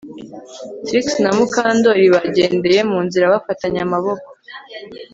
Trix na Mukandoli bagendeye mu nzira bafatanye amaboko